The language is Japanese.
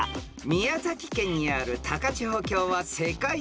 ［宮崎県にある高千穂峡は世界遺産？］